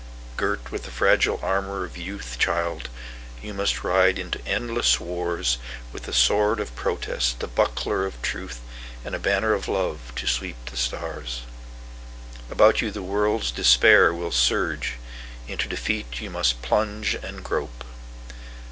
Girt with the fragile armor of youth, Child, you must ride into endless wars, With the sword of protest, the buckler of truth, And a banner of love to sweep the stars. About you the world's despair will surge; Into defeat you must plunge and grope.